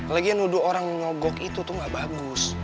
lagian nudu orang nyogok itu tuh gak bagus